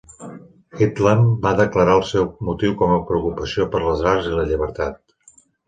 Headlam va declarar el seu motiu com a "preocupació per les arts i la llibertat".